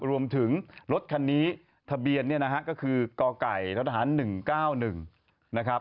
รวมถึงรถคันนี้ทะเบียนก็คือกไก่รถอาหาร๑๙๑นะครับ